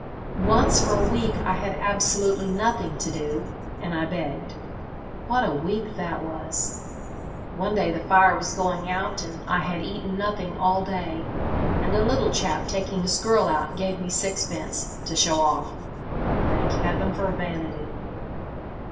"Once for a week I had absolutely nothing to do, and I begged. What a week that was! One day the fire was going out and I had eaten nothing all day, and a little chap taking his girl out, gave me sixpence—to show off. Thank heaven for vanity!